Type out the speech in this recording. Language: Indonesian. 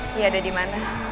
dia ada dimana